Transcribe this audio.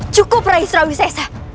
cukup raih seru sesa